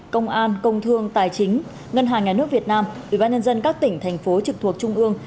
công an công thương tài chính ngân hàng nhà nước việt nam ủy ban nhân dân các tỉnh thành phố trực thuộc trung ương